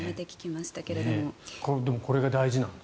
でもこれが大事なんです。